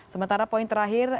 sementara poin terakhir